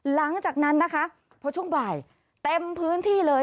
หลังจากนั้นนะคะพอช่วงบ่ายเต็มพื้นที่เลย